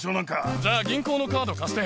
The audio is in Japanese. じゃあ、銀行のカード貸して。